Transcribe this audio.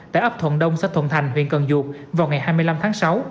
tại ấp thuận đông xa thuận thành huyện cần dược vào ngày hai mươi năm tháng sáu